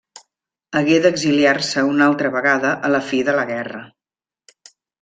Hagué d’exiliar-se una altra vegada a la fi de la guerra.